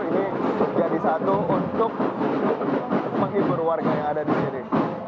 ini jadi satu untuk menghibur warga yang ada di sini